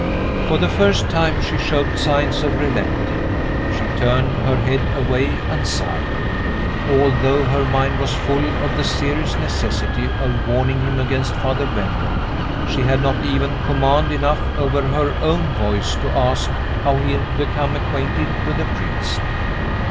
For the first time she showed signs of relenting she turned her head away, and sighed. Although her mind was full of the serious necessity of warning him against Father Benwell, she had not even command enough over her own voice to ask how he had become acquainted with the priest.